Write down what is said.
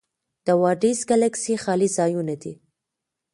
د وایډز ګلکسي خالي ځایونه دي.